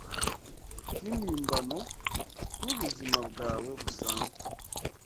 yimpimbano nubuzima bwawe busanzwe